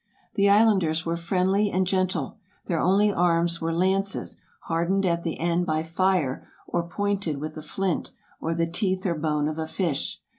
The islanders were friendly and gentle. Their only arms were lances, hardened at the end by fire, or pointed with a flint, or the teeth or bone of a fish.